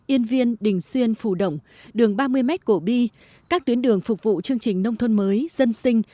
yên viên đình xuyên phù động đường ba mươi m cổ bi các tuyến đường phục vụ chương trình nông thôn mới dân sinh